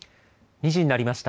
２時になりました。